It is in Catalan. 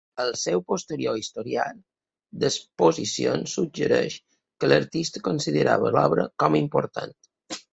El seu posterior historial d'exposicions suggereixen que l'artista considerava l'obra com a important.